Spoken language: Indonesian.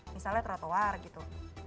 misalnya trotoar gitu